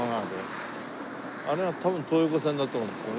あれが多分東横線だと思うんですよね。